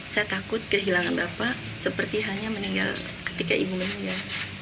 saya takut kehilangan bapak seperti hanya meninggal ketika ibu meninggal